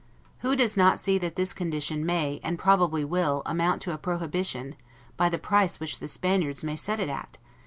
Who does not see that this condition may, and probably will, amount to a prohibition, by the price which the Spaniards may set it at?